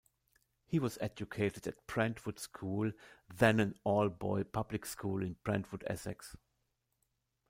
He was educated at Brentwood School, then an all-boys public school in Brentwood, Essex.